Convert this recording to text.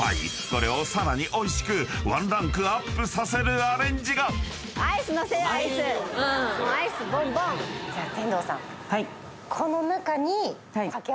［これをさらにおいしくワンランクアップさせるアレンジが］じゃあ天童さん。あります。